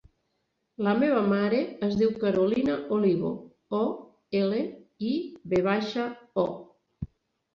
La meva mare es diu Carolina Olivo: o, ela, i, ve baixa, o.